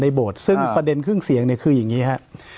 โบสถ์ซึ่งประเด็นครึ่งเสียงเนี่ยคืออย่างนี้ครับ